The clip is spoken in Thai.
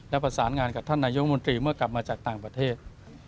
และประสานงานกับท่านนายกมนตรีเมื่อกลับมาจากต่างประเทศ